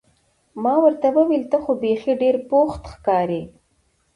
ما ورته وویل: ته خو بیخي ډېر بوخت ښکارې.